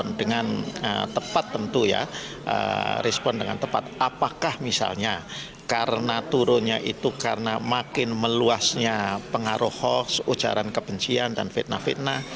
dengan tepat tentu ya respon dengan tepat apakah misalnya karena turunnya itu karena makin meluasnya pengaruh hoax ujaran kebencian dan fitnah fitnah